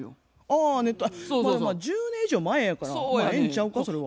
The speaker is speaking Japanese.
まあでも１０年以上前やからまあええんちゃうかそれは。